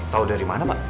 tau dari mana pak